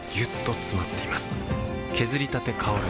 削りたて香る